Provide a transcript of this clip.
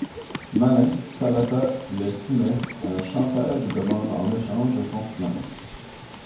Malin, Sabata les soumet à un chantage et demande en échange de son silence.